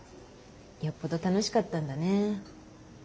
よっぽど楽しかったんだね。